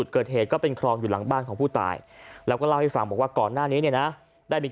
กร้องอยู่หลังบ้านของผู้ตายแล้วก็ล่าวให้สั่งก็กรมหน้านี้